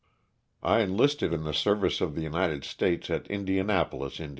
1 enlisted in the service of the United States at Indianapolis, Ind.